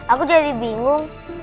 aku jadi bingung